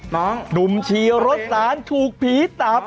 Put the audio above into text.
น้องดุมชีรสสานถูกผีตับ